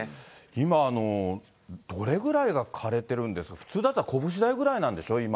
今、どれぐらいが枯れてるんですか、普通だったら拳大ぐらいなんでしょ、今。